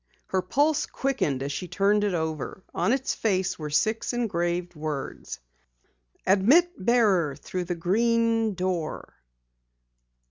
Her pulse quickened as she turned it over. On its face were six engraved words: "Admit Bearer Through The Green Door."